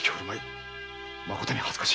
まことに恥ずかしい。